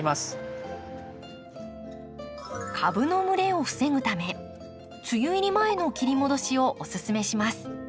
株の蒸れを防ぐため梅雨入り前の切り戻しをおすすめします。